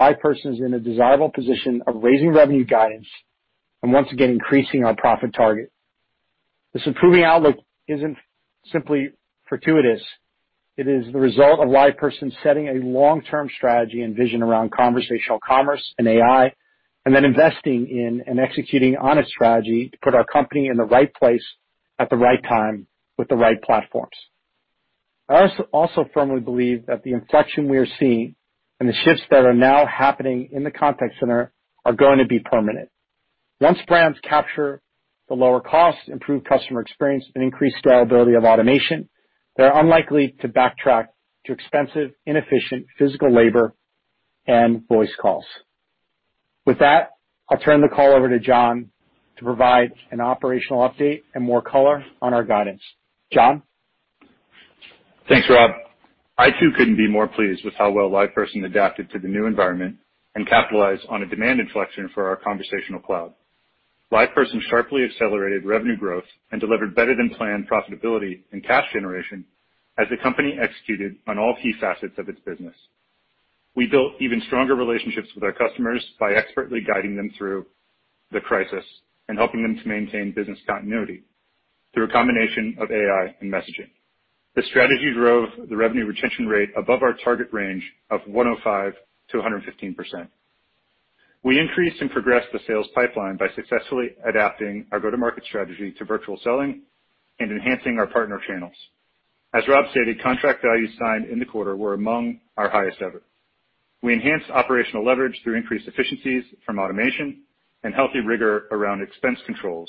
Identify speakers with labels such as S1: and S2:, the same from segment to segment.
S1: LivePerson is in a desirable position of raising revenue guidance and once again increasing our profit target. This improving outlook isn't simply fortuitous. It is the result of LivePerson setting a long-term strategy and vision around conversational commerce and AI, and then investing in and executing on a strategy to put our company in the right place at the right time with the right platforms. I also firmly believe that the inflection we are seeing and the shifts that are now happening in the contact center are going to be permanent. Once brands capture the lower cost, improve customer experience, and increase scalability of automation, they're unlikely to backtrack to expensive, inefficient physical labor and voice calls. With that, I'll turn the call over to John to provide an operational update and more color on our guidance. John?
S2: Thanks, Rob. I, too, couldn't be more pleased with how well LivePerson adapted to the new environment and capitalized on a demand inflection for our Conversational Cloud. LivePerson sharply accelerated revenue growth and delivered better than planned profitability and cash generation as the company executed on all key facets of its business. We built even stronger relationships with our customers by expertly guiding them through the crisis and helping them to maintain business continuity through a combination of AI and messaging. The strategy drove the revenue retention rate above our target range of 105%-115%. We increased and progressed the sales pipeline by successfully adapting our go-to-market strategy to virtual selling and enhancing our partner channels. As Rob stated, contract values signed in the quarter were among our highest ever. We enhanced operational leverage through increased efficiencies from automation and healthy rigor around expense controls,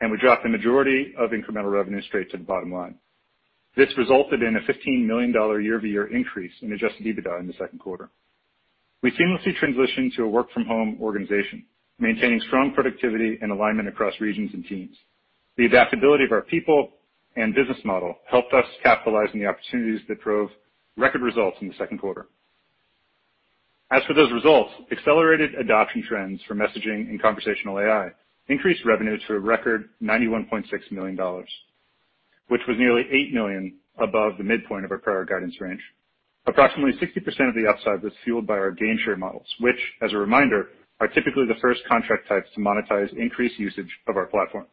S2: and we dropped the majority of incremental revenue straight to the bottom line. This resulted in a $15 million year-over-year increase in adjusted EBITDA in the second quarter. We seamlessly transitioned to a work-from-home organization, maintaining strong productivity and alignment across regions and teams. The adaptability of our people and business model helped us capitalize on the opportunities that drove record results in the second quarter. As for those results, accelerated adoption trends for messaging and conversational AI increased revenues to a record $91.6 million, which was nearly $8 million above the midpoint of our prior guidance range. Approximately 60% of the upside was fueled by our gainshare models, which, as a reminder, are typically the first contract types to monetize increased usage of our platform.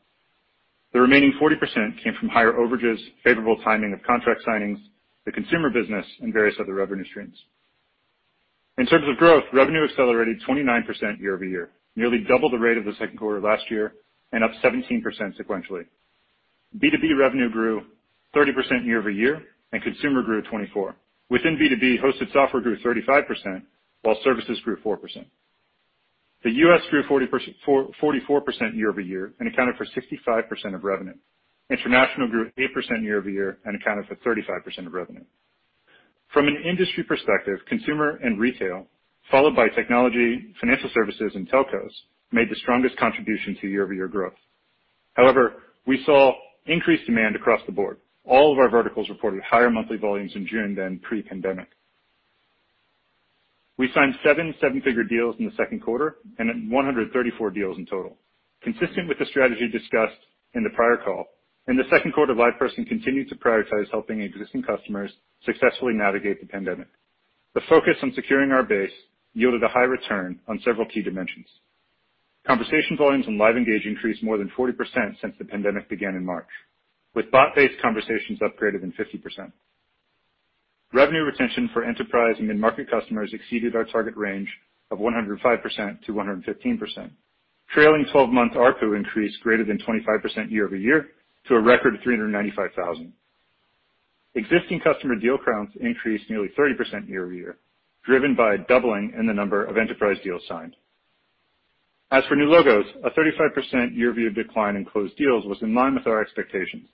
S2: The remaining 40% came from higher overages, favorable timing of contract signings, the consumer business, and various other revenue streams. In terms of growth, revenue accelerated 29% year-over-year, nearly double the rate of the second quarter last year, and up 17% sequentially. B2B revenue grew 30% year-over-year, and consumer grew at 24%. Within B2B, hosted software grew 35%, while services grew 4%. The U.S. grew 44% year-over-year and accounted for 65% of revenue. International grew 8% year-over-year and accounted for 35% of revenue. From an industry perspective, consumer and retail, followed by technology, financial services, and telcos, made the strongest contribution to year-over-year growth. However, we saw increased demand across the board. All of our verticals reported higher monthly volumes in June than pre-pandemic. We signed seven figure deals in the second quarter and had 134 deals in total. Consistent with the strategy discussed in the prior call, in the second quarter, LivePerson continued to prioritize helping existing customers successfully navigate the pandemic. The focus on securing our base yielded a high return on several key dimensions. Conversation volumes on LiveEngage increased more than 40% since the pandemic began in March, with bot-based conversations up greater than 50%. Revenue retention for enterprise and mid-market customers exceeded our target range of 105%-115%. Trailing 12-month ARPU increased greater than 25% year-over-year to a record $395,000. Existing customer deal counts increased nearly 30% year-over-year, driven by a doubling in the number of enterprise deals signed. As for new logos, a 35% year-over-year decline in closed deals was in line with our expectations.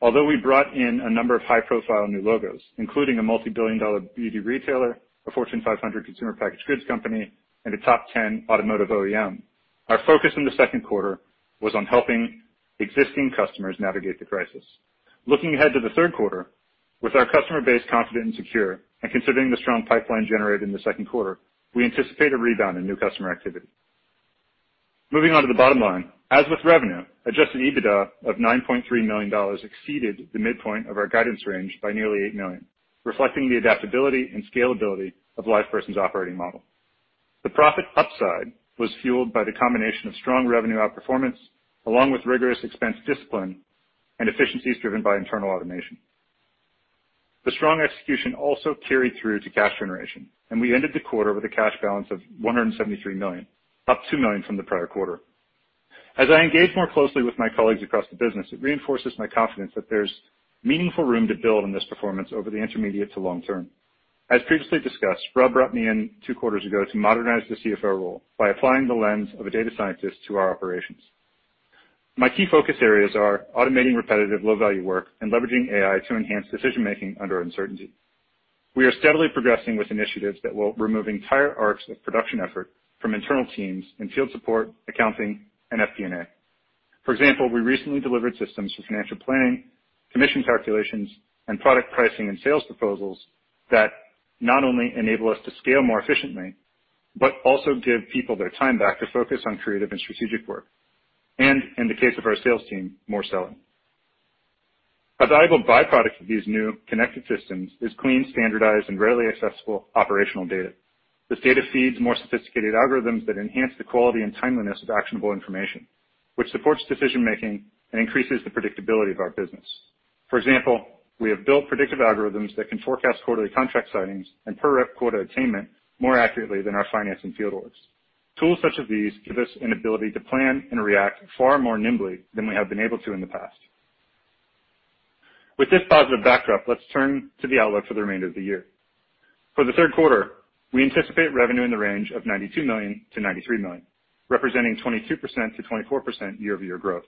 S2: Although we brought in a number of high-profile new logos, including a multi-billion-dollar beauty retailer, a Fortune 500 consumer packaged goods company, and a top 10 automotive OEM, our focus in the second quarter was on helping existing customers navigate the crisis. Looking ahead to the third quarter, with our customer base confident and secure, and considering the strong pipeline generated in the second quarter, we anticipate a rebound in new customer activity. Moving on to the bottom line, as with revenue, adjusted EBITDA of $9.3 million exceeded the midpoint of our guidance range by nearly $8 million, reflecting the adaptability and scalability of LivePerson's operating model. The profit upside was fueled by the combination of strong revenue outperformance, along with rigorous expense discipline and efficiencies driven by internal automation. The strong execution also carried through to cash generation. We ended the quarter with a cash balance of $173 million, up $2 million from the prior quarter. As I engage more closely with my colleagues across the business, it reinforces my confidence that there's meaningful room to build on this performance over the intermediate to long term. As previously discussed, Rob brought me in two quarters ago to modernize the CFO role by applying the lens of a data scientist to our operations. My key focus areas are automating repetitive low-value work and leveraging AI to enhance decision-making under uncertainty. We are steadily progressing with initiatives that will remove entire arcs of production effort from internal teams in field support, accounting, and FP&A. For example, we recently delivered systems for financial planning, commission calculations, and product pricing and sales proposals that not only enable us to scale more efficiently, but also give people their time back to focus on creative and strategic work and, in the case of our sales team, more selling. A valuable byproduct of these new connected systems is clean, standardized, and readily accessible operational data. This data feeds more sophisticated algorithms that enhance the quality and timeliness of actionable information, which supports decision-making and increases the predictability of our business. For example, we have built predictive algorithms that can forecast quarterly contract signings and per rep quota attainment more accurately than our finance and field orgs. Tools such of these give us an ability to plan and react far more nimbly than we have been able to in the past. With this positive backdrop, let's turn to the outlook for the remainder of the year. For the third quarter, we anticipate revenue in the range of $92 million-$93 million, representing 22%-24% year-over-year growth.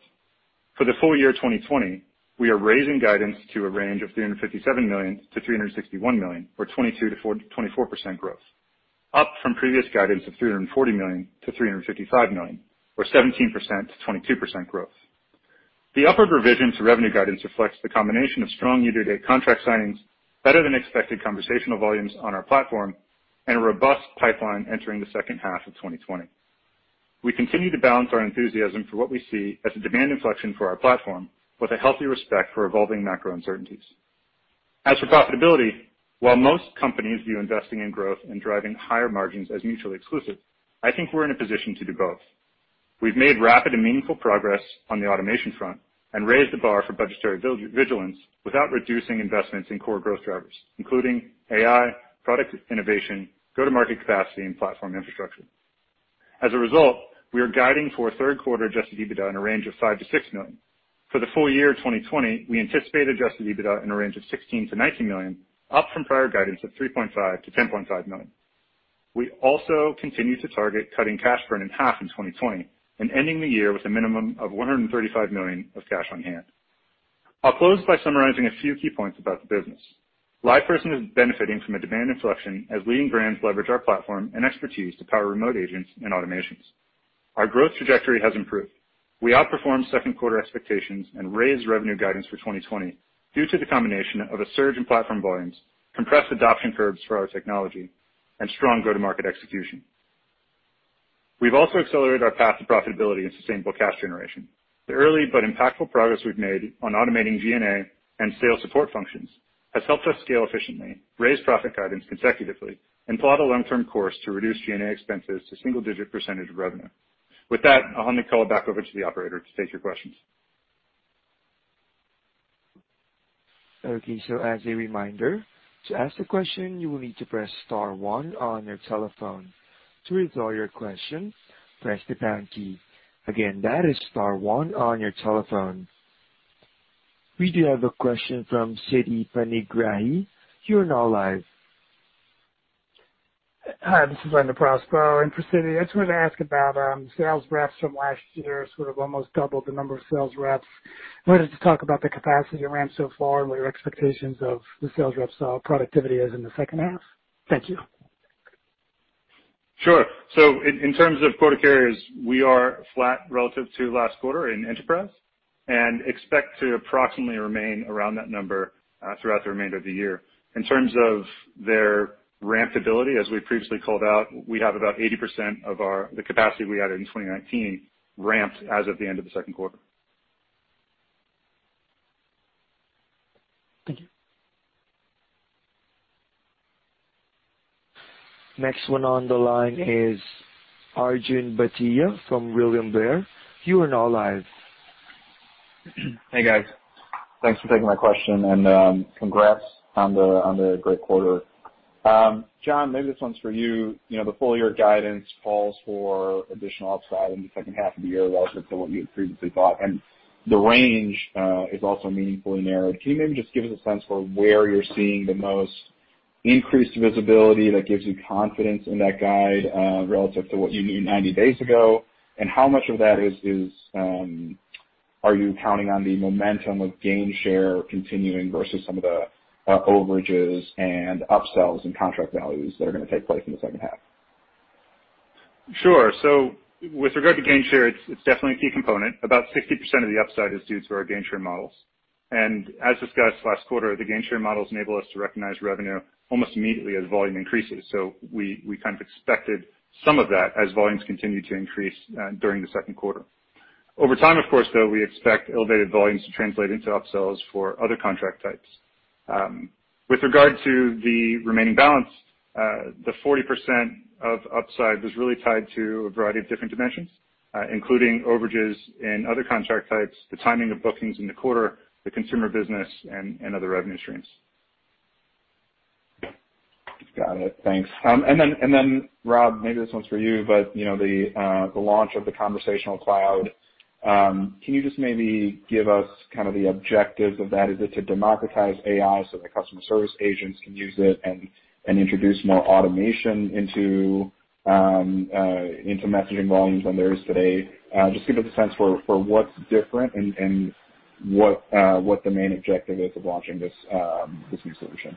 S2: For the full year 2020, we are raising guidance to a range of $357 million-$361 million, or 22%-24% growth, up from previous guidance of $340 million-$355 million, or 17%-22% growth. The upward revision to revenue guidance reflects the combination of strong year-to-date contract signings, better than expected conversational volumes on our platform, and a robust pipeline entering the second half of 2020. We continue to balance our enthusiasm for what we see as a demand inflection for our platform with a healthy respect for evolving macro uncertainties. As for profitability, while most companies view investing in growth and driving higher margins as mutually exclusive, I think we're in a position to do both. We've made rapid and meaningful progress on the automation front and raised the bar for budgetary vigilance without reducing investments in core growth drivers, including AI, product innovation, go-to-market capacity, and platform infrastructure. As a result, we are guiding for a third quarter adjusted EBITDA in a range of $5 million-$6 million. For the full year 2020, we anticipate adjusted EBITDA in a range of $16 million-$19 million, up from prior guidance of $3.5 million-$10.5 million. We also continue to target cutting cash burn in half in 2020 and ending the year with a minimum of $135 million of cash on hand. I'll close by summarizing a few key points about the business. LivePerson is benefiting from a demand inflection as leading brands leverage our platform and expertise to power remote agents and automations. Our growth trajectory has improved. We outperformed second quarter expectations and raised revenue guidance for 2020 due to the combination of a surge in platform volumes, compressed adoption curves for our technology, and strong go-to-market execution. We've also accelerated our path to profitability and sustainable cash generation. The early but impactful progress we've made on automating G&A and sales support functions has helped us scale efficiently, raise profit guidance consecutively, and plot a long-term course to reduce G&A expenses to single-digit percentage of revenue. With that, I'll hand the call back over to the operator to take your questions.
S3: As a reminder to as a question you will need to press star one on your telephone. To withdraw your question press the pound key. Again that is star one on your telephone. We do have a question from Siti Panigrahi. You are now live.
S4: Hi, this is Leonard DeProspo in for Siti, I just wanted to ask about sales reps from last year, sort of almost doubled the number of sales reps. I wanted to talk about the capacity ramp so far and what your expectations of the sales reps productivity is in the second half. Thank you.
S2: Sure. In terms of quota carriers, we are flat relative to last quarter in enterprise and expect to approximately remain around that number throughout the remainder of the year. In terms of their ramped ability, as we previously called out, we have about 80% of the capacity we added in 2019 ramped as of the end of the second quarter.
S4: Thank you.
S3: Next one on the line is Arjun Bhatia from William Blair. You are now live.
S5: Hey, guys. Thanks for taking my question and congrats on the great quarter. John, maybe this one's for you. The full year guidance calls for additional upside in the second half of the year relative to what you had previously thought. The range is also meaningfully narrowed. Can you maybe just give us a sense for where you're seeing the most increased visibility that gives you confidence in that guide relative to what you knew 90 days ago? How much of that are you counting on the momentum of gain share continuing versus some of the overages and up-sells and contract values that are gonna take place in the second half?
S2: Sure. With regard to gain share, it's definitely a key component. About 60% of the upside is due to our gain share models. As discussed last quarter, the gain share models enable us to recognize revenue almost immediately as volume increases. We kind of expected some of that as volumes continued to increase during the second quarter. Over time, of course, though, we expect elevated volumes to translate into up-sells for other contract types. With regard to the remaining balance, the 40% of upside was really tied to a variety of different dimensions, including overages and other contract types, the timing of bookings in the quarter, the consumer business, and other revenue streams.
S5: Got it. Thanks. Then, Rob, maybe this one's for you, but the launch of the Conversational Cloud, can you just maybe give us kind of the objective of that? Is it to democratize AI so the customer service agents can use it and introduce more automation into messaging volumes than there is today? Just give us a sense for what's different and what the main objective is of launching this new solution?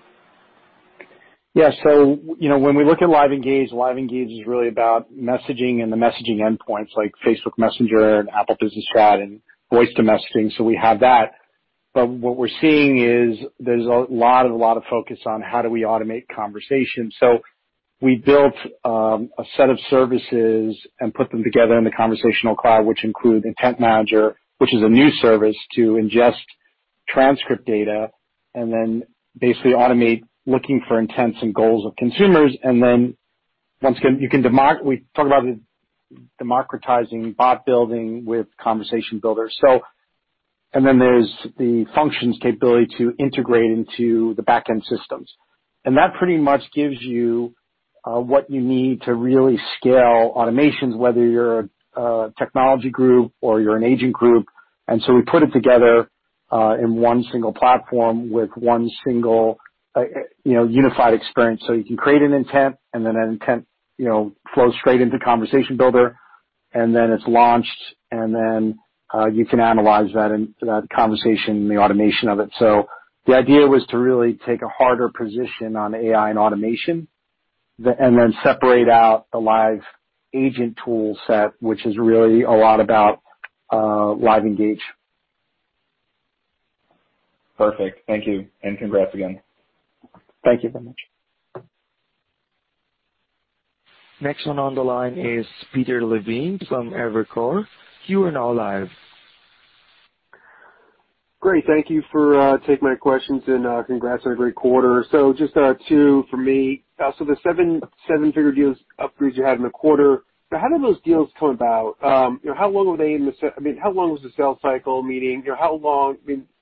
S1: Yeah. When we look at LiveEngage is really about messaging and the messaging endpoints like Facebook, Messenger and Apple Business Chat and voice to messaging so we have that. But what we are seeing is there is a lot of focus on how do we automate conversations. We built a set of services and put them together in the Conversational Cloud, which include Intent Manager, which is a new service to ingest transcript data and then basically automate looking for intents and goals of consumers. We talk about democratizing bot building with Conversation Builder. There's the Functions capability to integrate into the back-end systems. That pretty much gives you what you need to really scale automations, whether you're a technology group or you're an agent group. We put it together in one single platform with one single unified experience. You can create an intent, and then that intent flows straight into Conversation Builder, and then it's launched, and then you can analyze that conversation and the automation of it. The idea was to really take a harder position on AI and automation, and then separate out the live agent tool set, which is really a lot about LiveEngage.
S5: Perfect. Thank you, and congrats again.
S1: Thank you very much.
S3: Next one on the line is Peter Levine from Evercore. You are now live.
S6: Great. Thank you for taking my questions. Congrats on a great quarter. Just two for me. The seven-figure deals upgrades you had in the quarter, how did those deals come about? How long was the sales cycle, meaning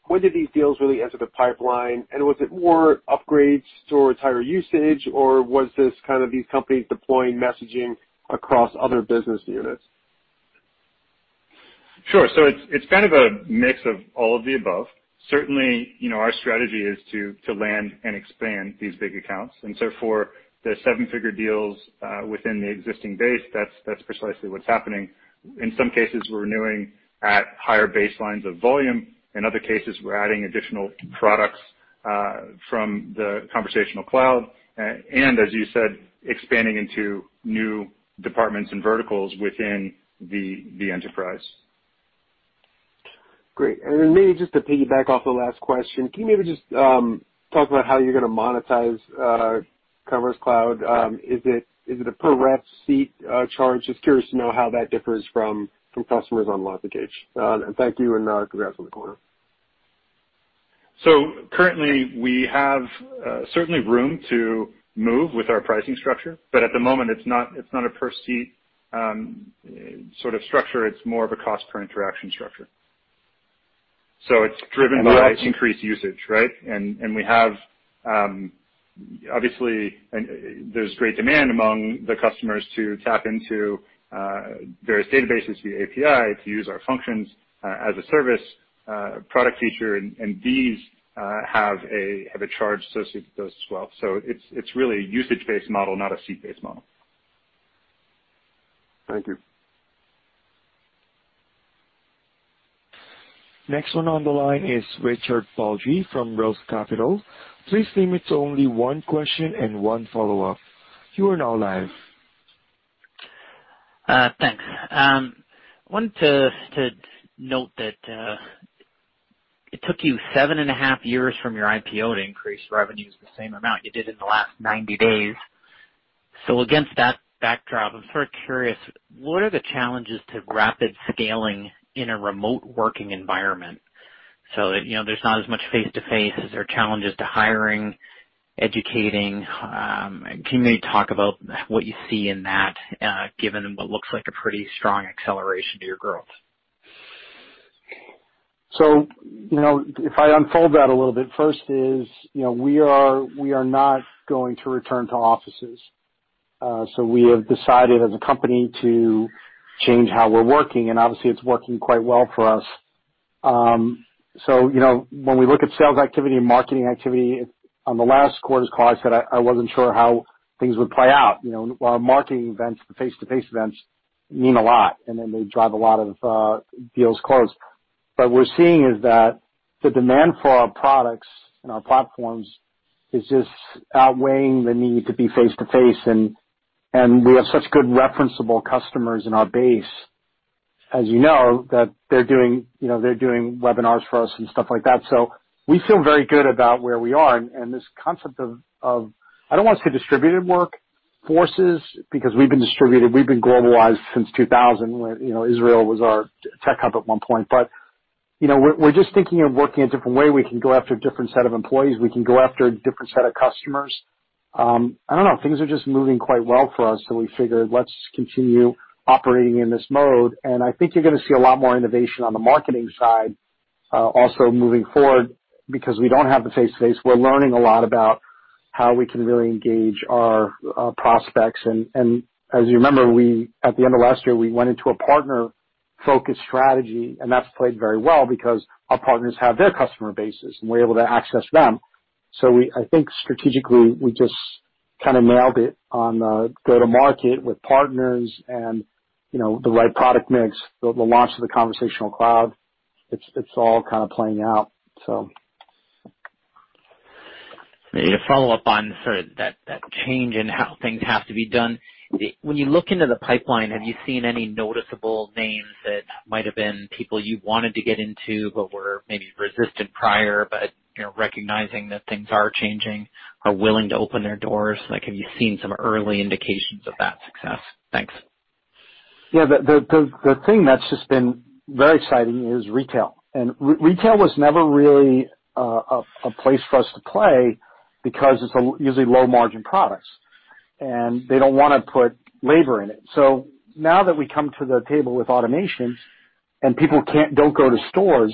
S6: when did these deals really enter the pipeline? Was it more upgrades towards higher usage, or was this kind of these companies deploying messaging across other business units?
S2: Sure. It's kind of a mix of all of the above. Certainly, our strategy is to land and expand these big accounts. For the seven-figure deals within the existing base, that's precisely what's happening. In some cases, we're renewing at higher baselines of volume. In other cases, we're adding additional products from the Conversational Cloud. As you said, expanding into new departments and verticals within the enterprise.
S6: Great. Maybe just to piggyback off the last question, can you maybe just talk about how you're going to monetize Conversational Cloud? Is it a per-rep seat charge? Just curious to know how that differs from customers on LiveEngage? Thank you, and congrats on the quarter.
S2: Currently we have certainly room to move with our pricing structure, but at the moment it's not a per-seat sort of structure. It's more of a cost per interaction structure. It's driven by increased usage, right? Obviously, there's great demand among the customers to tap into various databases via API to use our Functions as a Service product feature, and these have a charge associated with those as well. It's really a usage-based model, not a seat-based model.
S6: Thank you.
S3: Next one on the line is Richard Baldry from ROTH Capital. Please limit to only one question and one follow-up. You are now live.
S7: Thanks. Wanted to note that it took you seven and a half years from your IPO to increase revenues the same amount you did in the last 90 days. Against that backdrop, I'm sort of curious, what are the challenges to rapid scaling in a remote working environment? There's not as much face-to-face. Is there challenges to hiring, educating? Can you maybe talk about what you see in that, given what looks like a pretty strong acceleration to your growth?
S1: If I unfold that a little bit, first is, we are not going to return to offices. We have decided as a company to change how we're working, and obviously it's working quite well for us. When we look at sales activity and marketing activity on the last quarter's call, I said I wasn't sure how things would play out. Our marketing events, the face-to-face events mean a lot, and then they drive a lot of deals closed. We're seeing is that the demand for our products and our platforms is just outweighing the need to be face-to-face, and we have such good referenceable customers in our base, as you know, that they're doing webinars for us and stuff like that. We feel very good about where we are and this concept of, I don't want to say distributed work forces, because we've been distributed, we've been globalized since 2000 when Israel was our tech hub at one point. We're just thinking of working a different way. We can go after a different set of employees. We can go after a different set of customers. I don't know. Things are just moving quite well for us, so we figured let's continue operating in this mode. I think you're going to see a lot more innovation on the marketing side, also moving forward because we don't have the face-to-face. We're learning a lot about how we can really engage our prospects. As you remember, at the end of last year, we went into a partner-focused strategy, and that's played very well because our partners have their customer bases, and we're able to access them. I think strategically, we just kind of nailed it on the go-to-market with partners and the right product mix, the launch of the Conversational Cloud. It's all kind of playing out.
S7: Maybe a follow-up on sort of that change in how things have to be done. When you look into the pipeline, have you seen any noticeable names that might have been people you wanted to get into but were maybe resistant prior, but recognizing that things are changing, are willing to open their doors? Have you seen some early indications of that success? Thanks.
S1: Yeah. The thing that's just been very exciting is retail. Retail was never really a place for us to play because it's usually low-margin products, and they don't want to put labor in it. Now that we come to the table with automation and people don't go to stores,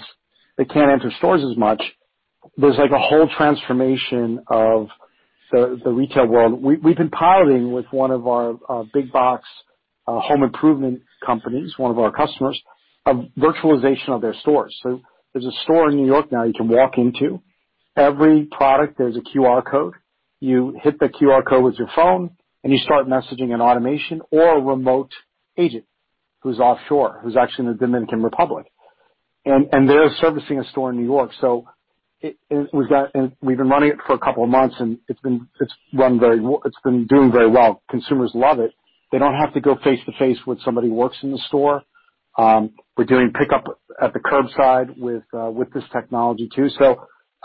S1: they can't enter stores as much, there's a whole transformation of the retail world. We've been piloting with one of our big box home improvement companies, one of our customers, a virtualization of their stores. There's a store in New York now you can walk into. Every product, there's a QR code. You hit the QR code with your phone, and you start messaging an automation or a remote agent who's offshore, who's actually in the Dominican Republic. They're servicing a store in New York. We've been running it for a couple of months, and it's been doing very well. Consumers love it. They don't have to go face-to-face with somebody who works in the store. We're doing pickup at the curbside with this technology too.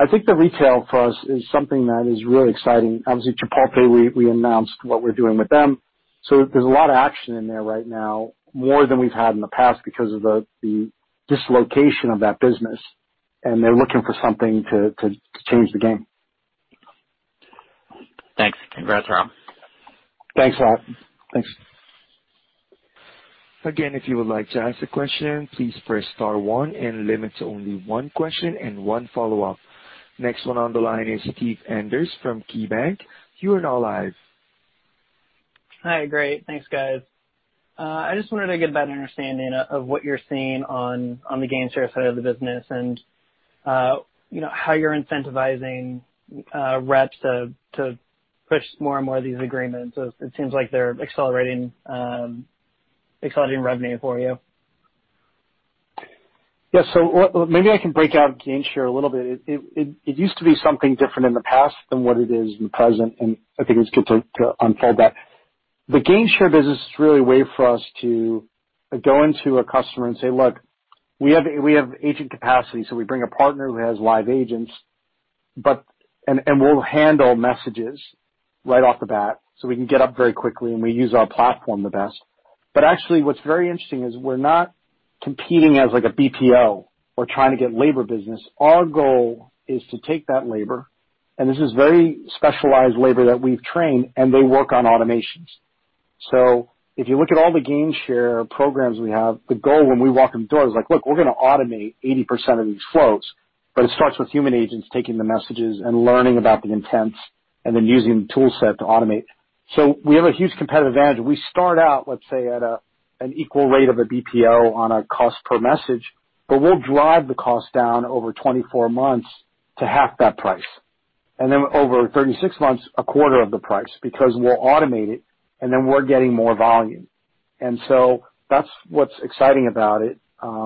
S1: I think the retail for us is something that is really exciting. Obviously, Chipotle, we announced what we're doing with them. There's a lot of action in there right now, more than we've had in the past because of the dislocation of that business, and they're looking for something to change the game.
S7: Thanks. Congrats, Rob.
S1: Thanks a lot. Thanks.
S3: Again, if you would like to ask a question, please press star one, and limit to only one question and one follow-up. Next one on the line is Steve Enders from KeyBanc. You are now live.
S8: Hi. Great. Thanks, guys. I just wanted to get a better understanding of what you're seeing on the gain share side of the business and how you're incentivizing reps to push more and more of these agreements, as it seems like they're accelerating revenue for you.
S1: Maybe I can break out gain share a little bit. It used to be something different in the past than what it is in present, and I think it's good to unfold that. The gain share business is really a way for us to go into a customer and say, "Look, we have agent capacity." We bring a partner who has live agents, and we'll handle messages right off the bat, so we can get up very quickly, and we use our platform the best. Actually, what's very interesting is we're not competing as a BPO or trying to get labor business. Our goal is to take that labor, and this is very specialized labor that we've trained, and they work on automations. If you look at all the gainsharing programs we have, the goal when we walk in the door is like, "Look, we're going to automate 80% of these flows." It starts with human agents taking the messages and learning about the intents, and then using the tool set to automate. We have a huge competitive advantage. We start out, let's say, at an equal rate of a BPO on a cost per message, but we'll drive the cost down over 24 months to half that price. Then over 36 months, a quarter of the price, because we'll automate it, and then we're getting more volume. That's what's exciting about it,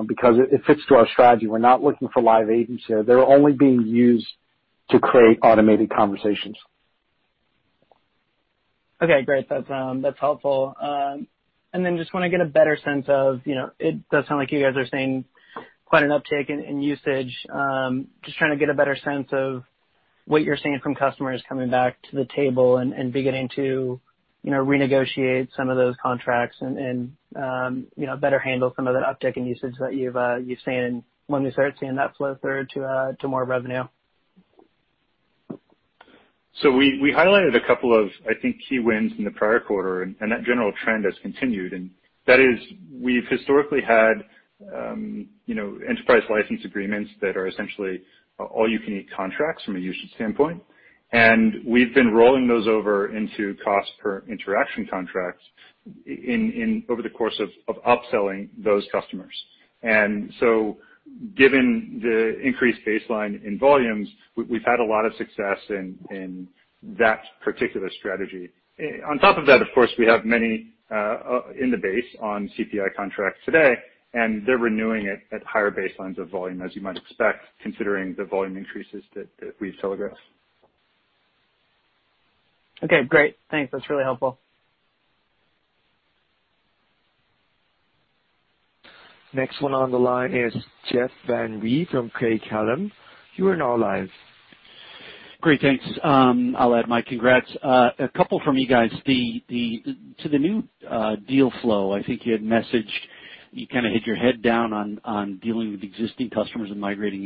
S1: because it fits to our strategy. We're not looking for live agents here. They're only being used to create automated conversations.
S8: Okay, great. That's helpful. Just want to get a better sense of, it does sound like you guys are seeing quite an uptick in usage. Just trying to get a better sense of what you're seeing from customers coming back to the table and beginning to renegotiate some of those contracts and better handle some of that uptick in usage that you've seen, and when we start seeing that flow through to more revenue?
S2: We highlighted a couple of, I think, key wins in the prior quarter, and that general trend has continued. That is, we've historically had enterprise license agreements that are essentially all-you-can-eat contracts from a usage standpoint. We've been rolling those over into cost per interaction contracts over the course of upselling those customers. Given the increased baseline in volumes, we've had a lot of success in that particular strategy. On top of that, of course, we have many in the base on CPI contracts today, and they're renewing it at higher baselines of volume, as you might expect, considering the volume increases that we've telegraphed.
S8: Okay, great. Thanks. That's really helpful.
S3: Next one on the line is Jeff Van Rhee from Craig-Hallum. You are now live.
S9: Great. Thanks. I'll add my congrats. A couple from you guys. To the new deal flow, I think you had messaged you kind of hit your head down on dealing with existing customers and migrating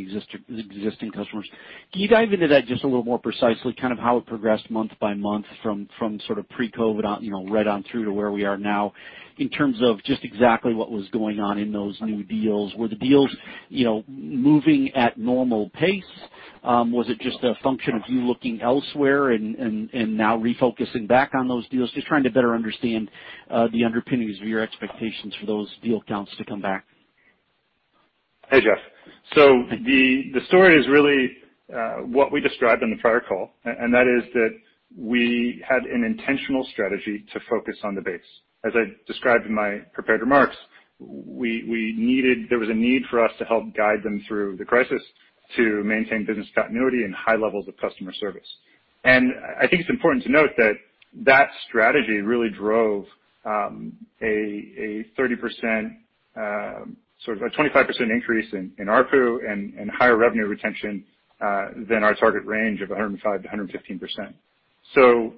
S9: existing customers. Can you dive into that just a little more precisely, kind of how it progressed month by month from sort of pre-COVID right on through to where we are now in terms of just exactly what was going on in those new deals? Were the deals moving at normal pace? Was it just a function of you looking elsewhere and now refocusing back on those deals? Just trying to better understand the underpinnings of your expectations for those deal counts to come back?
S2: Hey, Jeff. The story is really what we described on the prior call, we had an intentional strategy to focus on the base. As I described in my prepared remarks, there was a need for us to help guide them through the crisis to maintain business continuity and high levels of customer service. I think it's important to note that that strategy really drove a 30%, a 25% increase in ARPU and higher revenue retention than our target range of 105%-115%.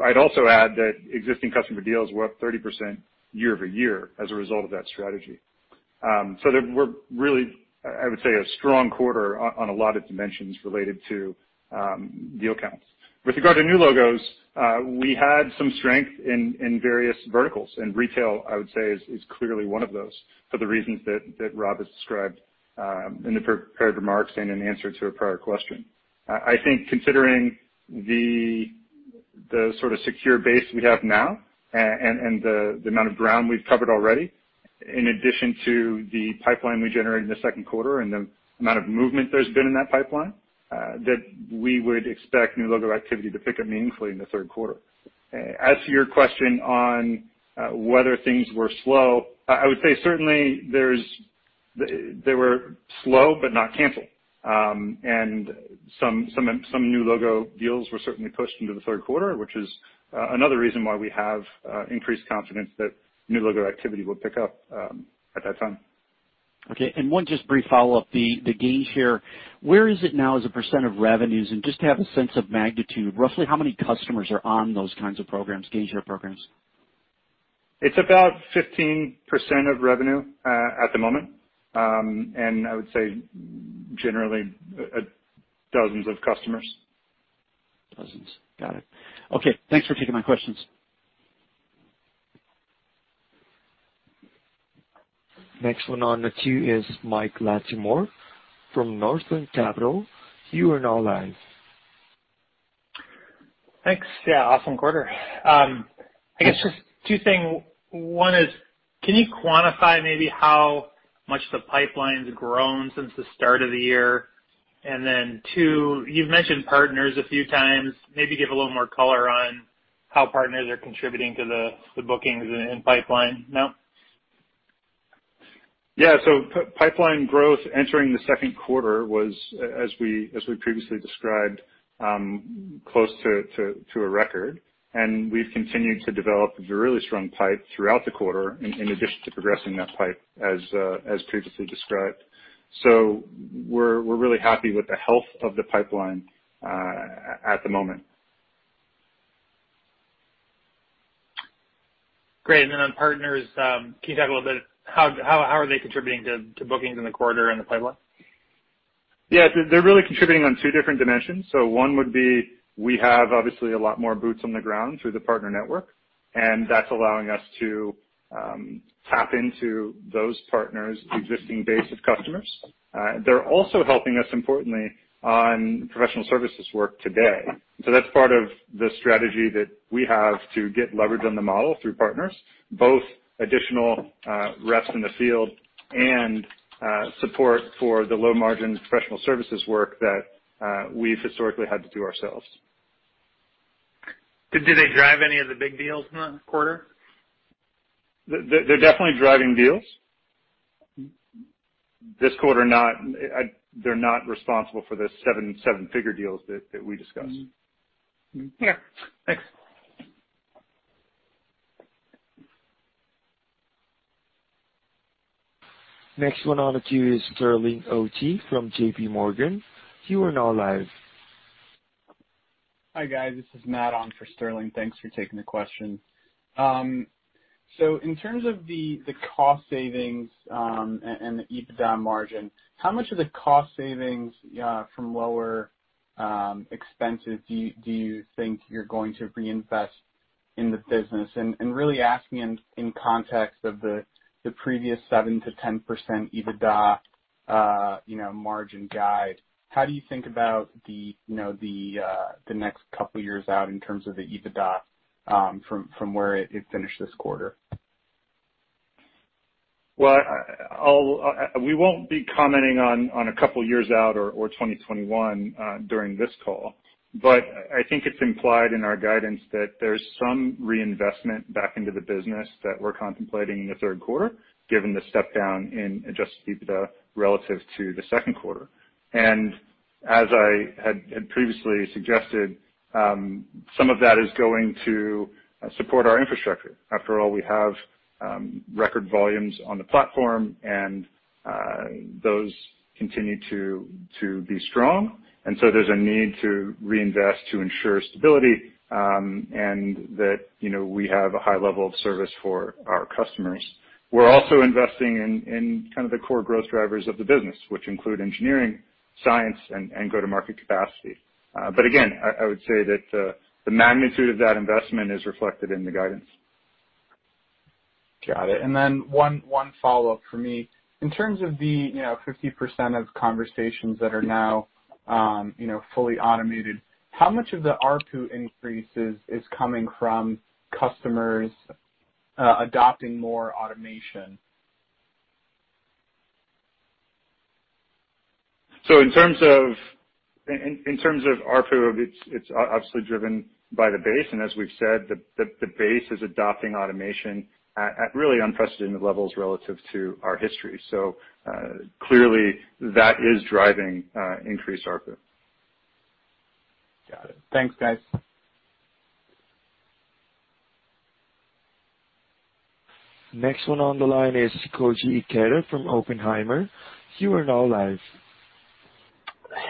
S2: I'd also add that existing customer deals were up 30% year-over-year as a result of that strategy. That were really, I would say, a strong quarter on a lot of dimensions related to deal counts. With regard to new logos, we had some strength in various verticals. Retail, I would say, is clearly one of those for the reasons that Rob has described in the prepared remarks and in answer to a prior question. I think considering the sort of secure base we have now and the amount of ground we've covered already, in addition to the pipeline we generated in the second quarter and the amount of movement there's been in that pipeline, that we would expect new logo activity to pick up meaningfully in the third quarter. As to your question on whether things were slow, I would say certainly they were slow but not canceled. Some new logo deals were certainly pushed into the third quarter, which is another reason why we have increased confidence that new logo activity will pick up at that time.
S9: Okay, one just brief follow-up. The gain share, where is it now as a percent of revenues? Just to have a sense of magnitude, roughly how many customers are on those kinds of programs, gain share programs?
S2: It's about 15% of revenue at the moment. I would say generally, dozens of customers.
S9: Dozens. Got it. Okay, thanks for taking my questions.
S3: Next one on the queue is Mike Latimore from Northland Capital. You are now live.
S10: Thanks. Yeah, awesome quarter. I guess just two things. One is, can you quantify maybe how much the pipeline's grown since the start of the year? Two, you've mentioned partners a few times. Maybe give a little more color on how partners are contributing to the bookings and pipeline now?
S2: Pipeline growth entering the second quarter was, as we previously described, close to a record. We've continued to develop a really strong pipe throughout the quarter in addition to progressing that pipe as previously described. We're really happy with the health of the pipeline at the moment.
S10: Great. On partners, can you talk a little bit, how are they contributing to bookings in the quarter and the pipeline?
S2: Yeah, they're really contributing on two different dimensions. One would be, we have obviously a lot more boots on the ground through the partner network, and that's allowing us to tap into those partners' existing base of customers. They're also helping us, importantly, on professional services work today. That's part of the strategy that we have to get leverage on the model through partners, both additional reps in the field and support for the low-margin professional services work that we've historically had to do ourselves.
S10: Did they drive any of the big deals in that quarter?
S2: They're definitely driving deals. This quarter, they're not responsible for the seven-figure deals that we discussed.
S10: Yeah. Thanks.
S3: Next one on the queue is Sterling Auty from JPMorgan.
S11: Hi, guys. This is Matt on for Sterling. Thanks for taking the question. In terms of the cost savings, and the EBITDA margin, how much of the cost savings from lower expenses do you think you're going to reinvest in the business? Really asking in context of the previous 7%-10% EBITDA margin guide. How do you think about the next couple years out in terms of the EBITDA, from where it finished this quarter?
S2: Well, we won't be commenting on a couple years out or 2021 during this call. I think it's implied in our guidance that there's some reinvestment back into the business that we're contemplating in the third quarter, given the step down in adjusted EBITDA relative to the second quarter. As I had previously suggested, some of that is going to support our infrastructure. After all, we have record volumes on the platform, and those continue to be strong. There's a need to reinvest to ensure stability, and that we have a high level of service for our customers. We're also investing in kind of the core growth drivers of the business, which include engineering, science, and go-to-market capacity. Again, I would say that the magnitude of that investment is reflected in the guidance.
S11: Got it. One follow-up for me. In terms of the 50% of conversations that are now fully automated, how much of the ARPU increases is coming from customers adopting more automation?
S2: In terms of ARPU, it's obviously driven by the base, and as we've said, the base is adopting automation at really unprecedented levels relative to our history. Clearly that is driving increased ARPU.
S11: Got it. Thanks, guys.
S3: Next one on the line is Koji Ikeda from Oppenheimer. You are now live.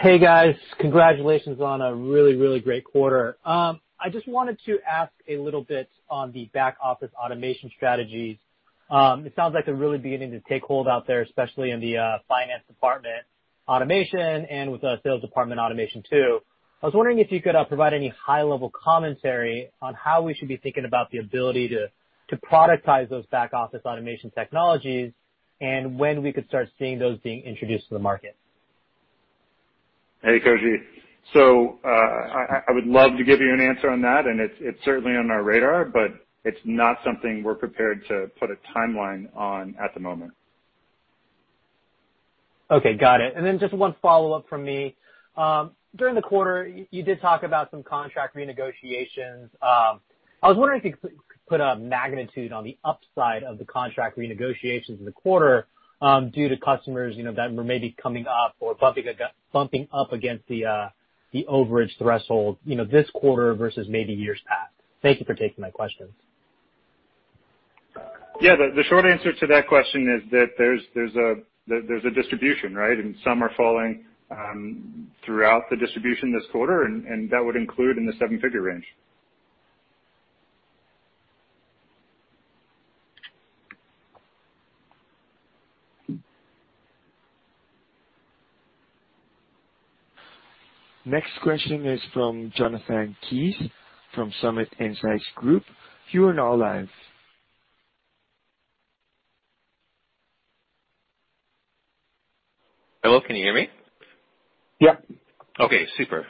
S12: Hey, guys. Congratulations on a really great quarter. I just wanted to ask a little bit on the back-office automation strategies. It sounds like they're really beginning to take hold out there, especially in the finance department automation and with the sales department automation, too. I was wondering if you could provide any high-level commentary on how we should be thinking about the ability to productize those back-office automation technologies and when we could start seeing those being introduced to the market?
S2: Hey, Koji. I would love to give you an answer on that, and it's certainly on our radar, but it's not something we're prepared to put a timeline on at the moment.
S12: Okay. Got it. Just one follow-up from me. During the quarter, you did talk about some contract renegotiations. I was wondering if you could put a magnitude on the upside of the contract renegotiations in the quarter due to customers that were maybe coming up or bumping up against the overage threshold this quarter versus maybe years past? Thank you for taking my questions.
S2: Yeah. The short answer to that question is that there's a distribution, right? Some are falling throughout the distribution this quarter, and that would include in the 750 range.
S3: Next question is from Jonathan Kees from Summit Insights Group. You are now live.
S13: Hello, can you hear me?
S1: Yeah.
S13: Okay, super.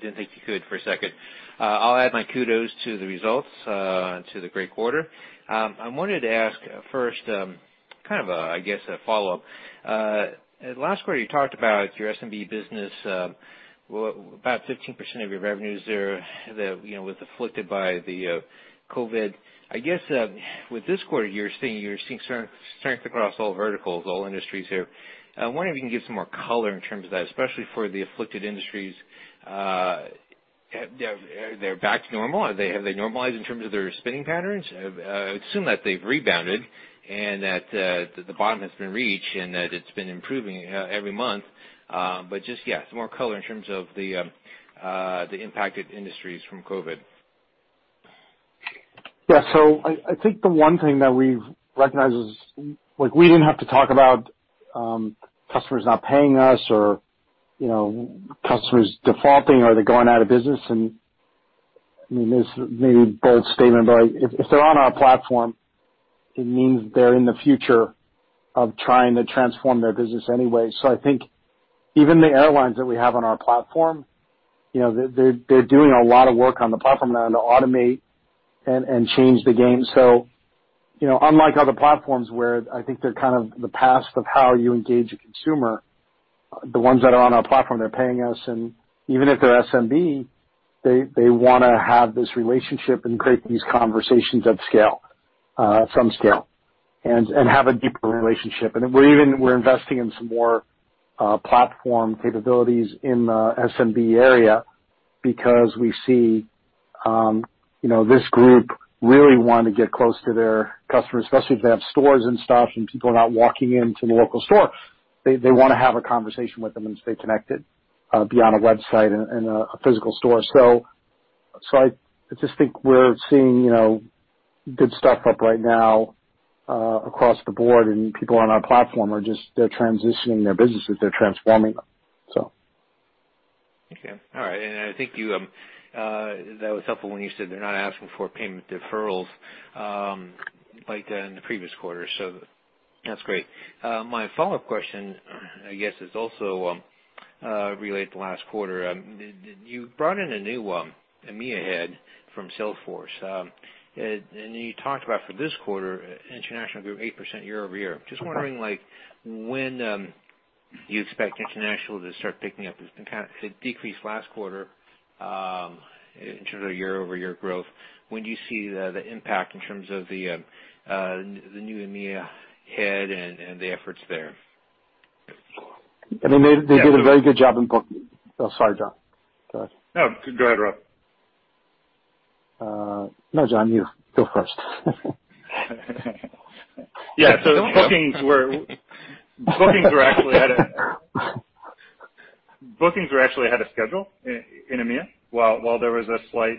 S13: Didn't think you could for a second. I'll add my kudos to the results, to the great quarter. I wanted to ask first, kind of, I guess, a follow-up. Last quarter, you talked about your SMB business, about 15% of your revenues there that was afflicted by the COVID. I guess, with this quarter, you're seeing strength across all verticals, all industries here. I wonder if you can give some more color in terms of that, especially for the afflicted industries. They're back to normal? Have they normalized in terms of their spending patterns? I assume that they've rebounded and that the bottom has been reached and that it's been improving every month. Just, yeah, some more color in terms of the impacted industries from COVID?
S1: I think the one thing that we've recognized is we didn't have to talk about customers not paying us or customers defaulting or they're going out of business. This may be a bold statement, but if they're on our platform, it means they're in the future of trying to transform their business anyway. I think even the airlines that we have on our platform, they're doing a lot of work on the platform now to automate and change the game. Unlike other platforms where I think they're the past of how you engage a consumer, the ones that are on our platform, they're paying us, and even if they're SMB, they want to have this relationship and create these conversations at scale, some scale, and have a deeper relationship. We're investing in some more platform capabilities in the SMB area because we see this group really want to get close to their customers, especially if they have stores and stuff, and people are not walking into the local store. They want to have a conversation with them and stay connected, be on a website and a physical store. I just think we're seeing good stuff up right now across the board, and people on our platform are just transitioning their businesses. They're transforming them.
S13: Thank you. All right. I think that was helpful when you said they're not asking for payment deferrals like in the previous quarter. That's great. My follow-up question, I guess, is also related to last quarter. You brought in a new EMEA head from Salesforce. You talked about for this quarter, international grew 8% year-over-year. Just wondering when you expect international to start picking up. It decreased last quarter in terms of year-over-year growth. When do you see the impact in terms of the new EMEA head and the efforts there?
S1: They did a very good job in booking. Oh, sorry, John. Go ahead.
S2: No, go ahead, Rob.
S1: No, John, you go first.
S2: Yeah. Bookings were actually ahead of schedule in EMEA. While there was a slight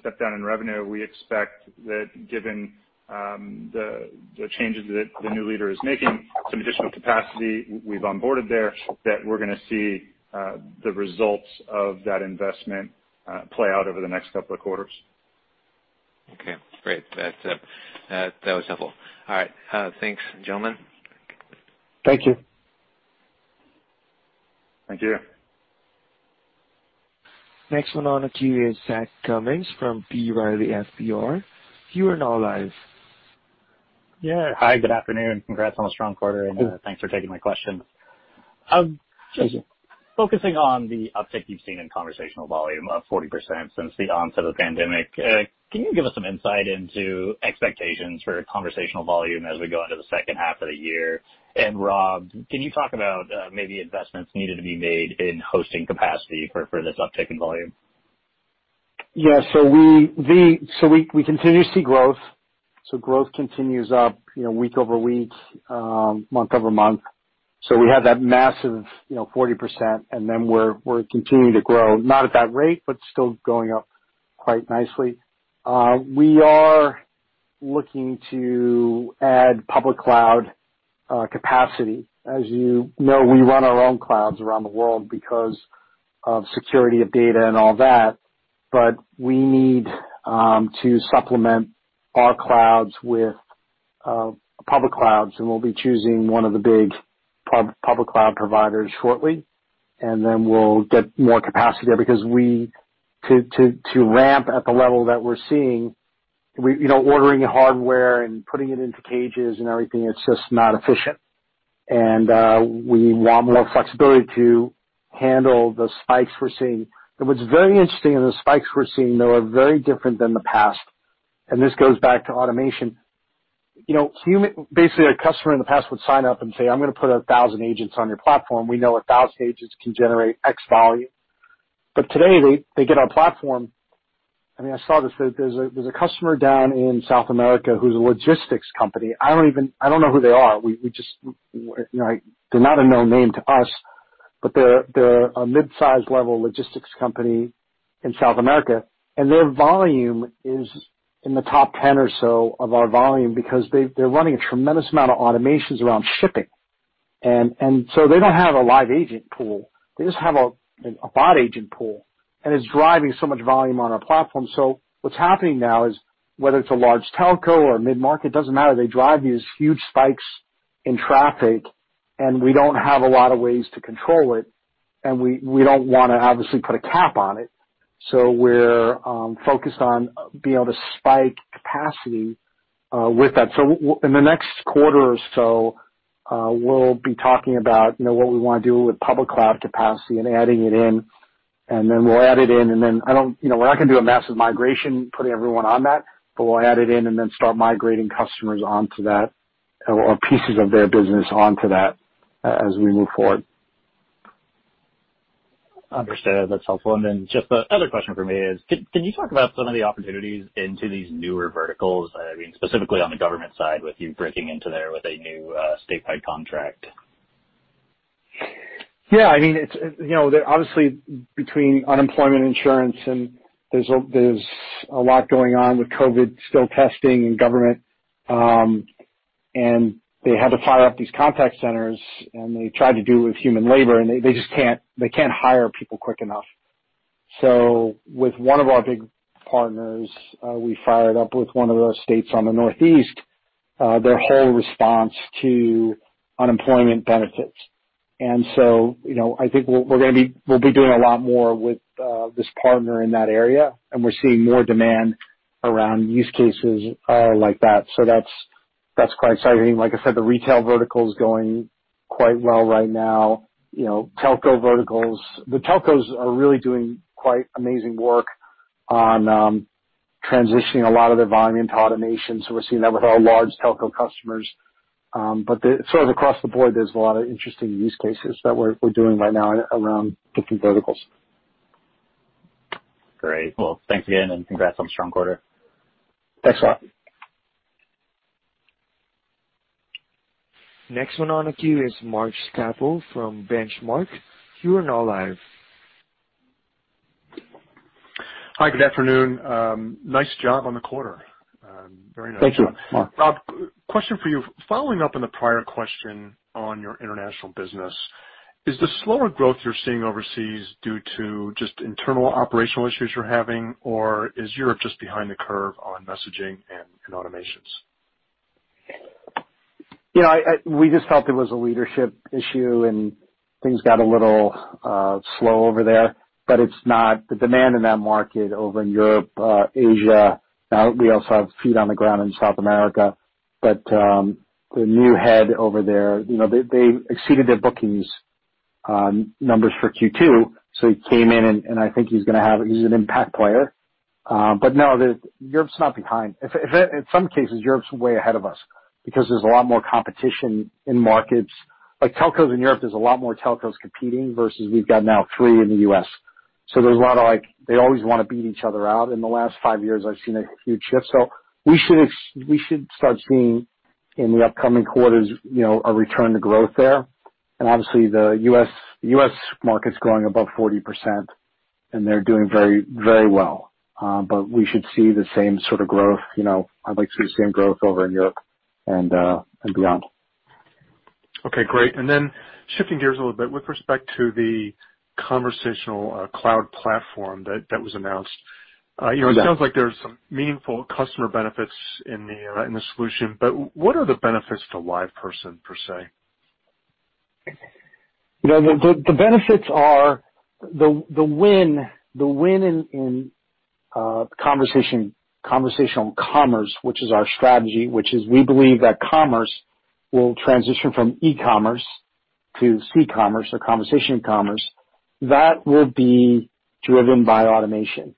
S2: step down in revenue, we expect that given the changes that the new leader is making, some additional capacity we've onboarded there, that we're going to see the results of that investment play out over the next couple of quarters.
S13: Okay, great. That was helpful. All right. Thanks, gentlemen.
S1: Thank you.
S2: Thank you.
S3: Next one on the queue is Zach Cummins from B. Riley FBR. You are now live.
S14: Yeah. Hi, good afternoon. Congrats on a strong quarter, thanks for taking my questions.
S1: Thank you.
S14: Just focusing on the uptick you've seen in conversational volume, up 40% since the onset of the pandemic, can you give us some insight into expectations for conversational volume as we go into the second half of the year? Rob, can you talk about maybe investments needed to be made in hosting capacity for this uptick in volume?
S1: Yeah. We continue to see growth. Growth continues up week-over-week, month-over-month. We had that massive 40%, and then we're continuing to grow, not at that rate, but still going up quite nicely. We are looking to add public cloud capacity. As you know, we run our own clouds around the world because of security of data and all that. We need to supplement our clouds with public clouds, and we'll be choosing one of the big public cloud providers shortly. We'll get more capacity there because to ramp at the level that we're seeing, ordering hardware and putting it into cages and everything, it's just not efficient. We want more flexibility to handle the spikes we're seeing. What's very interesting in the spikes we're seeing, though, are very different than the past. This goes back to automation. Basically, a customer in the past would sign up and say, "I'm going to put 1,000 agents on your platform." We know 1,000 agents can generate X volume. Today, they get on our platform. I saw this, there's a customer down in South America who's a logistics company. I don't know who they are. They're not a known name to us, but they're a mid-size level logistics company in South America, and their volume is in the top 10 or so of our volume because they're running a tremendous amount of automations around shipping. They don't have a live agent pool. They just have a bot agent pool, and it's driving so much volume on our platform. What's happening now is whether it's a large telco or mid-market, doesn't matter. They drive these huge spikes in traffic, and we don't have a lot of ways to control it, and we don't want to, obviously, put a cap on it. We're focused on being able to spike capacity with that. In the next quarter or so, we'll be talking about what we want to do with public cloud capacity and adding it in, and then we'll add it in, and then we're not going to do a massive migration, putting everyone on that. We'll add it in and then start migrating customers onto that, or pieces of their business onto that as we move forward.
S14: Understood. That's helpful. Just the other question from me is, can you talk about some of the opportunities into these newer verticals? Specifically on the government side, with you breaking into there with a new state-wide contract?
S1: Obviously, between unemployment insurance, and there's a lot going on with COVID still testing in government. They had to fire up these contact centers, and they tried to do it with human labor, and they can't hire people quick enough. With one of our big partners, we fired up with one of the states on the Northeast, their whole response to unemployment benefits. I think we'll be doing a lot more with this partner in that area, and we're seeing more demand around use cases like that. That's quite exciting. Like I said, the retail vertical is going quite well right now. The telcos are really doing quite amazing work on transitioning a lot of their volume into automation. We're seeing that with our large telco customers. Sort of across the board, there's a lot of interesting use cases that we're doing right now around different verticals.
S14: Great. Well, thanks again, and congrats on a strong quarter.
S1: Thanks a lot.
S3: Next one on the queue is Mark Schappel from Benchmark. You are now live.
S15: Hi, good afternoon. Nice job on the quarter. Very nice job.
S1: Thank you, Mark.
S15: Rob, question for you. Following up on the prior question on your international business, is the slower growth you're seeing overseas due to just internal operational issues you're having, or is Europe just behind the curve on messaging and automations?
S1: We just felt it was a leadership issue, and things got a little slow over there. The demand in that market over in Europe, Asia. Now we also have feet on the ground in South America. The new head over there, they exceeded their bookings numbers for Q2. He came in, and I think he's an impact player. No, Europe's not behind. In some cases, Europe's way ahead of us because there's a lot more competition in markets. Like telcos in Europe, there's a lot more telcos competing versus we've got now three in the U.S. There's a lot of like, they always want to beat each other out. In the last five years, I've seen a huge shift. We should start seeing in the upcoming quarters, a return to growth there. Obviously, the U.S. market's growing above 40%, and they're doing very well. We should see the same sort of growth. I'd like to see the same growth over in Europe and beyond.
S15: Okay, great. Shifting gears a little bit with respect to the Conversational Cloud platform that was announced. It sounds like there's some meaningful customer benefits in the solution, but what are the benefits to LivePerson per se?
S1: The benefits are the win in conversational commerce, which is our strategy. We believe that commerce will transition from e-commerce to c-commerce or conversational commerce that will be driven by automation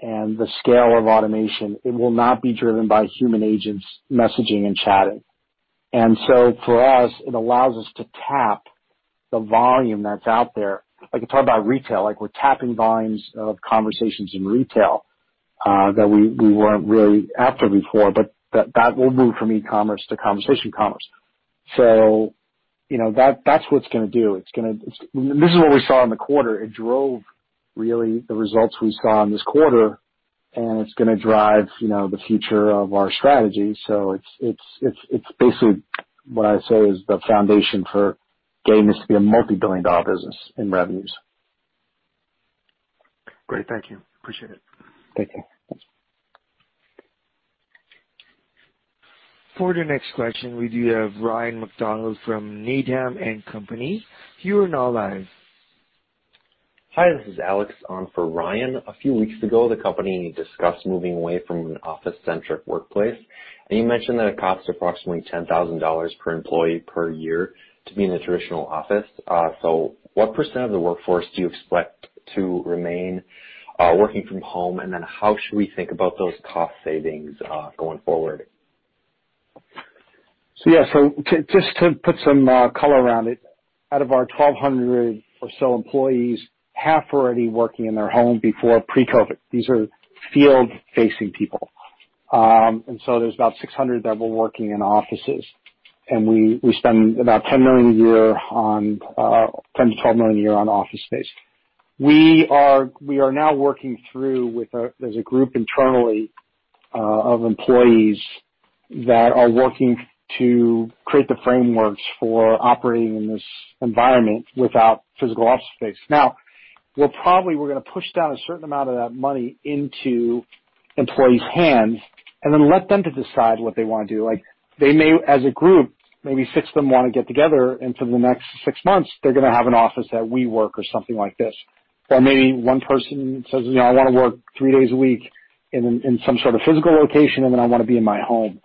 S1: and the scale of automation. It will not be driven by human agents messaging and chatting. For us, it allows us to tap the volume that's out there. Like you talk about retail, we're tapping volumes of conversations in retail that we weren't really after before, but that will move from e-commerce to conversational commerce. That's what it's going to do. This is what we saw in the quarter. It drove, really, the results we saw in this quarter, and it's going to drive the future of our strategy. It's basically what I say is the foundation for getting this to be a multi-billion dollar business in revenues.
S15: Great. Thank you. Appreciate it.
S1: Thank you.
S3: For the next question, we do have Ryan MacDonald from Needham & Company. You are now live.
S16: Hi, this is Alex on for Ryan. A few weeks ago, the company discussed moving away from an office-centric workplace, and you mentioned that it costs approximately $10,000 per employee per year to be in a traditional office. What percent of the workforce do you expect to remain working from home? How should we think about those cost savings going forward?
S1: Just to put some color around it, out of our 1,200 or so employees, half were already working in their home before pre-COVID. These are field-facing people. there's about 600 that were working in offices, and we spend about $10 million-$12 million a year on office space. We are now working through. There's a group internally of employees that are working to create the frameworks for operating in this environment without physical office space. we're going to push down a certain amount of that money into employees' hands and then let them decide what they want to do. They may, as a group, maybe six of them want to get together, and for the next six months, they're going to have an office at WeWork or something like this. Maybe one person says, "I want to work three days a week in some sort of physical location, and then I want to be in my home."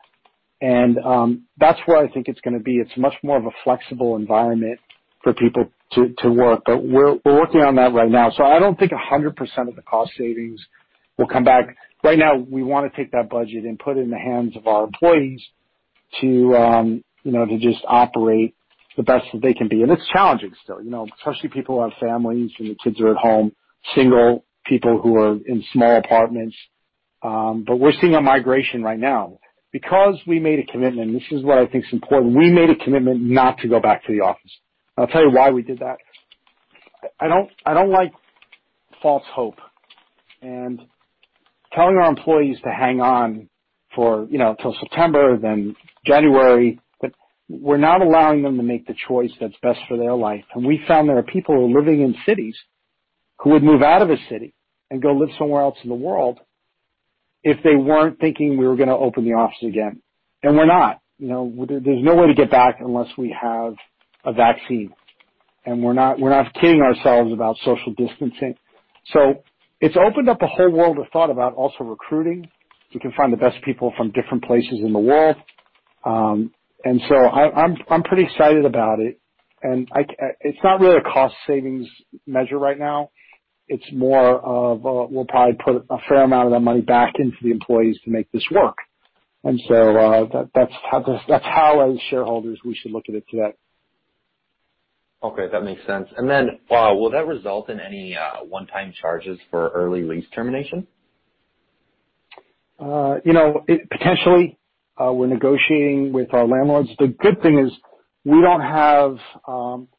S1: That's where I think it's going to be. It's much more of a flexible environment for people to work. We're working on that right now. I don't think 100% of the cost savings will come back. Right now, we want to take that budget and put it in the hands of our employees to just operate the best that they can be. It's challenging still, especially people who have families and the kids are at home, single people who are in small apartments. We're seeing a migration right now because we made a commitment. This is what I think is important. We made a commitment not to go back to the office. I'll tell you why we did that. I don't like false hope and telling our employees to hang on till September, then January, but we're not allowing them to make the choice that's best for their life. We found there are people who are living in cities who would move out of a city and go live somewhere else in the world if they weren't thinking we were going to open the office again. We're not. There's no way to get back unless we have a vaccine. We're not kidding ourselves about social distancing. It's opened up a whole world of thought about also recruiting. We can find the best people from different places in the world. I'm pretty excited about it, and it's not really a cost savings measure right now. We'll probably put a fair amount of that money back into the employees to make this work. That's how, as shareholders, we should look at it today.
S16: Okay. That makes sense. Then will that result in any one-time charges for early lease termination?
S1: Potentially. We're negotiating with our landlords. The good thing is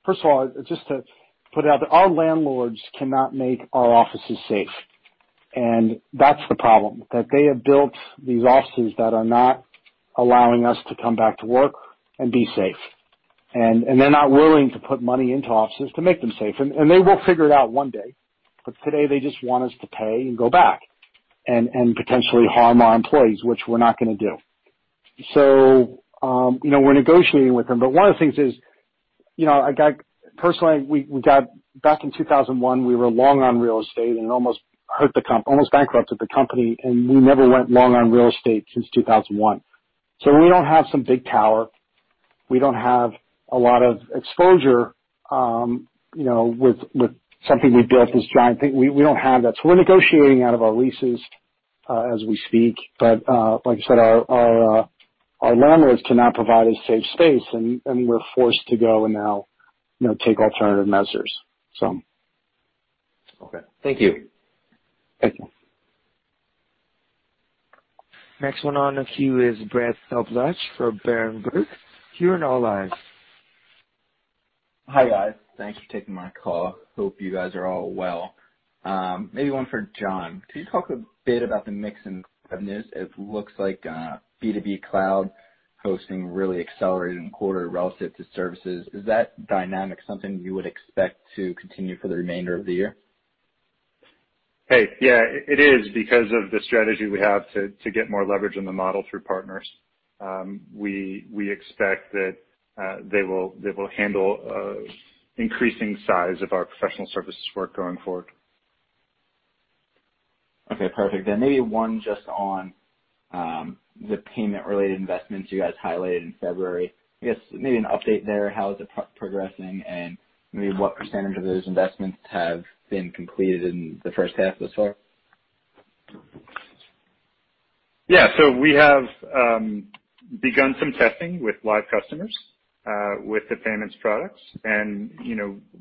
S1: First of all, just to put it out there, our landlords cannot make our offices safe, and that's the problem, that they have built these offices that are not allowing us to come back to work and be safe. They're not willing to put money into offices to make them safe. They will figure it out one day. Today, they just want us to pay and go back and potentially harm our employees, which we're not going to do. We're negotiating with them. One of the things is, personally, back in 2001, we were long on real estate, and it almost bankrupted the company, and we never went long on real estate since 2001. We don't have some big tower. We don't have a lot of exposure with something we built this giant thing. We don't have that. We're negotiating out of our leases as we speak. Like I said, our landlords cannot provide a safe space, and we're forced to go and now take alternative measures.
S16: Okay. Thank you.
S1: Thank you.
S3: Next one on the queue is Brett Knoblauch for Berenberg.
S17: Hi, guys. Thanks for taking my call. Hope you guys are all well. Maybe one for John. Can you talk a bit about the mix in revenues? It looks like B2B cloud hosting really accelerated in the quarter relative to services. Is that dynamic something you would expect to continue for the remainder of the year?
S2: Hey, yeah, it is because of the strategy we have to get more leverage in the model through partners. We expect that they will handle increasing size of our professional services work going forward.
S17: Okay, perfect. Maybe one just on the payment-related investments you guys highlighted in February. I guess maybe an update there. How is it progressing? Maybe what percentage of those investments have been completed in the first half thus far?
S2: Yeah. We have begun some testing with live customers with the payments products, and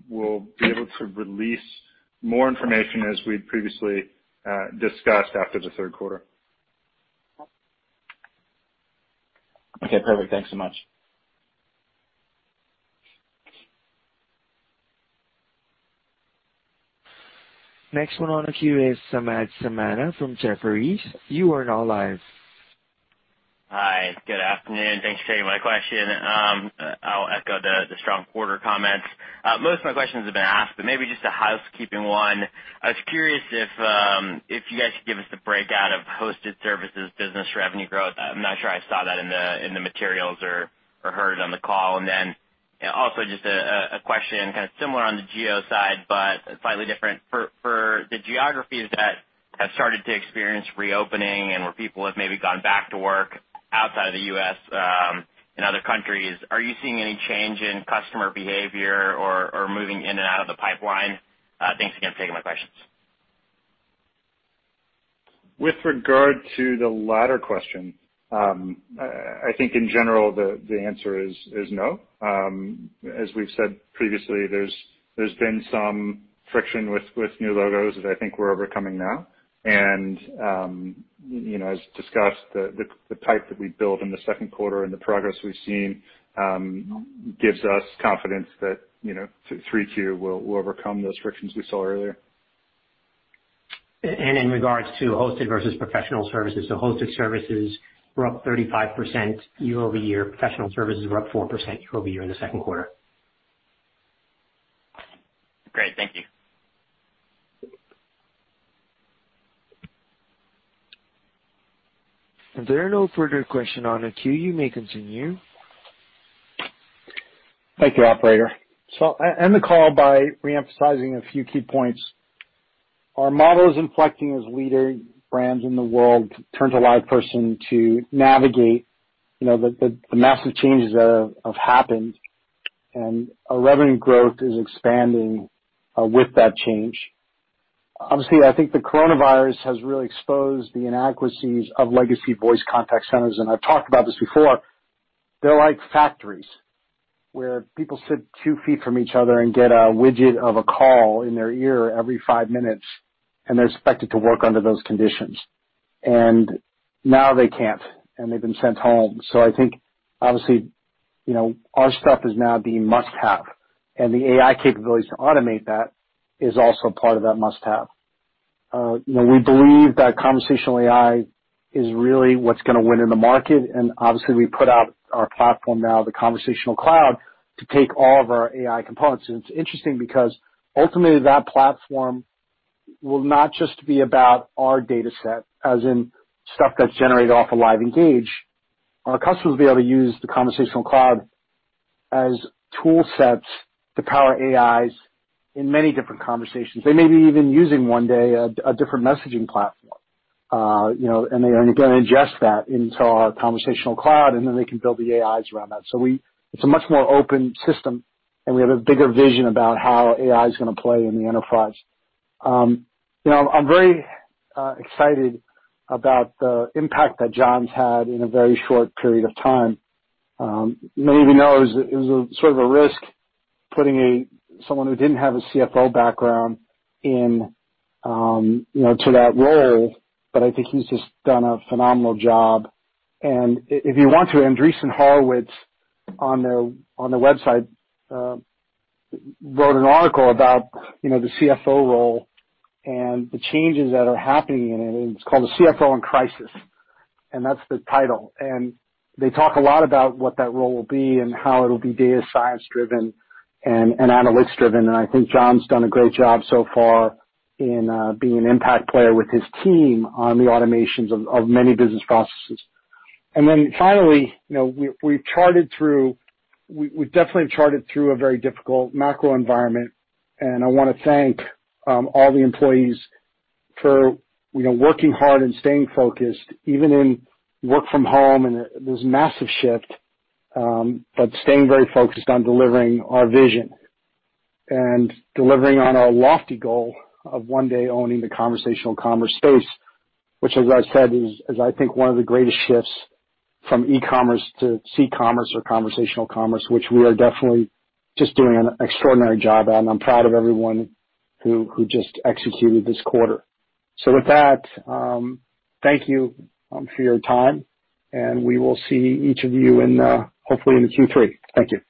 S2: we'll be able to release more information as we'd previously discussed after the third quarter.
S17: Okay, perfect. Thanks so much.
S3: Next one on the queue is Samad Samana from Jefferies. You are now live.
S18: Hi. Good afternoon. Thanks for taking my question. I'll echo the strong quarter comments. Most of my questions have been asked, maybe just a housekeeping one. I was curious if you guys could give us a breakout of hosted services business revenue growth. I'm not sure I saw that in the materials or heard on the call. Also just a question, kind of similar on the geo side, slightly different. For the geographies that have started to experience reopening and where people have maybe gone back to work outside of the U.S., in other countries, are you seeing any change in customer behavior or moving in and out of the pipeline? Thanks again for taking my questions.
S2: With regard to the latter question, I think in general, the answer is no. As we've said previously, there's been some friction with new logos that I think we're overcoming now. As discussed, the pipe that we built in the second quarter and the progress we've seen gives us confidence that 3Q will overcome those frictions we saw earlier.
S1: In regards to hosted versus professional services, the hosted services were up 35% year-over-year. Professional services were up 4% year-over-year in the second quarter.
S18: Great. Thank you.
S3: If there are no further questions on the queue, you may continue.
S1: Thank you, operator. I'll end the call by re-emphasizing a few key points. Our model is inflecting as leading brands in the world turn to LivePerson to navigate the massive changes that have happened, and our revenue growth is expanding with that change. Obviously, I think the coronavirus has really exposed the inadequacies of legacy voice contact centers, and I've talked about this before. They're like factories where people sit two feet from each other and get a widget of a call in their ear every five minutes, and they're expected to work under those conditions. Now they can't, and they've been sent home. I think obviously, our stuff is now the must-have, and the AI capabilities to automate that is also part of that must-have. We believe that conversational AI is really what's gonna win in the market, and obviously we put out our platform now, the Conversational Cloud, to take all of our AI components. It's interesting because ultimately that platform will not just be about our data set, as in stuff that's generated off of LiveEngage. Our customers will be able to use the Conversational Cloud as tool sets to power AIs in many different conversations. They may be even using one day a different messaging platform, and they're going to ingest that into our Conversational Cloud, and then they can build the AIs around that. It's a much more open system, and we have a bigger vision about how AI is gonna play in the enterprise. I'm very excited about the impact that John's had in a very short period of time. Many of you know, it was sort of a risk putting someone who didn't have a CFO background into that role, but I think he's just done a phenomenal job. If you want to, Andreessen Horowitz, on their website, wrote an article about the CFO role and the changes that are happening in it. It's called "The CFO in Crisis," and that's the title. They talk a lot about what that role will be and how it'll be data science driven and analytics driven. I think John's done a great job so far in being an impact player with his team on the automations of many business processes. Finally, we've definitely charted through a very difficult macro environment, and I want to thank all the employees for working hard and staying focused, even in work from home and this massive shift, but staying very focused on delivering our vision and delivering on our lofty goal of one day owning the conversational commerce space. Which as I said, is I think one of the greatest shifts from e-commerce to c-commerce or conversational commerce, which we are definitely just doing an extraordinary job at, and I'm proud of everyone who just executed this quarter. With that, thank you for your time, and we will see each of you hopefully in the Q3. Thank you.